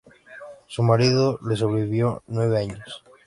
Su marido le sobrevivió nueve años.